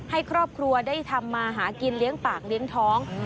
ให้ครอบครัวได้ทำมาหากินเลี้ยงปากเลี้ยงท้อง